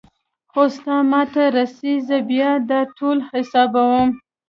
خو ستا ما ته رسي زه بيا دا ټول حسابوم.